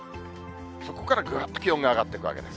そこからぐっと気温が上がってくわけです。